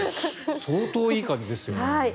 相当いい感じですよね。